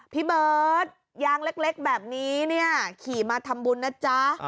พี่เบิร์ตยางเล็กแบบนี้เนี่ยขี่มาทำบุญนะจ๊ะ